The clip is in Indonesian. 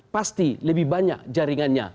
pasti lebih banyak jaringannya